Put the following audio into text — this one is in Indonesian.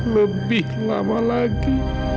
lebih lama lagi